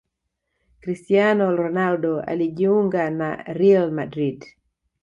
Cristiano Ronaldo alijuinga na Real Madrid